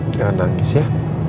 jangan nangis ya